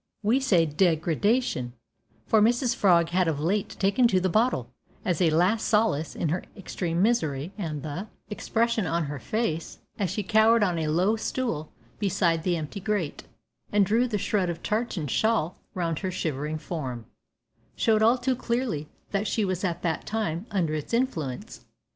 We say degradation, for Mrs Frog had of late taken to "the bottle" as a last solace in her extreme misery, and the expression of her face, as she cowered on a low stool beside the empty grate and drew the shred of tartan shawl round her shivering form, showed all too clearly that she was at that time under its influence.